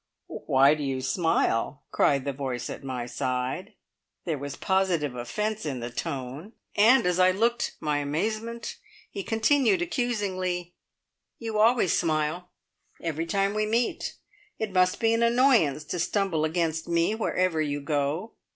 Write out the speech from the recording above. "Why do you smile?" cried the voice by my side. There was positive offence in the tone, and, as I looked my amazement, he continued accusingly, "You always smile. Every time we meet. It must be an annoyance to stumble against me wherever you go.